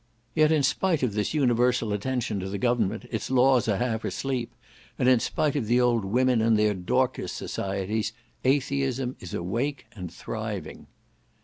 Yet spite of this universal attention to the government, its laws are half asleep; and spite of the old women and their Dorcas societies, atheism is awake and thriving.